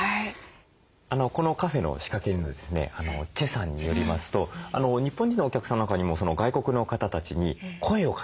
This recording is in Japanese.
このカフェの仕掛け人のですねチェさんによりますと日本人のお客さんの中にも外国の方たちに声をかけたいという方が